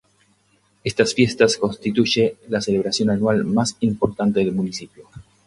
Estas fiestas constituye la celebración anual más importante del municipio.